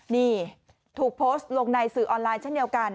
นี่ถูกโพสต์ลงในสื่อออนไลน์เช่นเดียวกัน